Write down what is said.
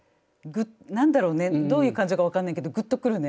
何だろうねどういう感情か分かんないけどグッとくるね。